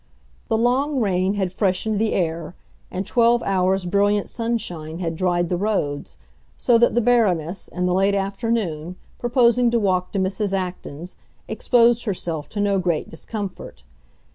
The long rain had freshened the air, and twelve hours' brilliant sunshine had dried the roads; so that the Baroness, in the late afternoon, proposing to walk to Mrs. Acton's, exposed herself to no great discomfort.